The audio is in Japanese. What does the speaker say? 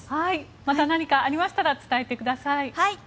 また何かありましたら伝えてください。